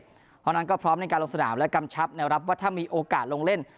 เพราะฉะนั้นก็พร้อมในการลงสนามและกำชับนะครับว่าถ้ามีโอกาสลงเล่น